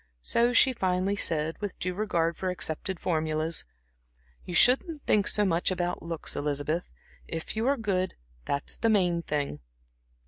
So she finally said, with due regard for accepted formulas: "You shouldn't think so much about looks, Elizabeth. If you are good, that's the main thing."